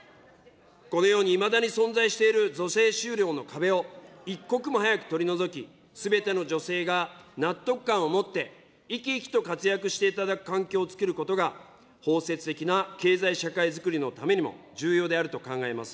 このようにいまだに存在している女性就労の壁を、一刻も早く取り除き、すべての女性が納得感を持って、生き生きと活躍していただく環境をつくることが、包摂的な経済社会づくりのためにも重要であると考えます。